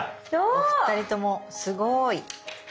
お二人ともすごい。